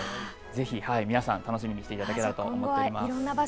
ぜひ皆さん、楽しみにしていただきたいと思います。